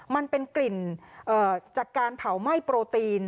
มันเป็นกลิ่นจากการเผาไหม้โปรตีน